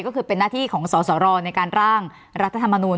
ก็คือเป็นหน้าที่ของสสรในการร่างรัฐธรรมนูล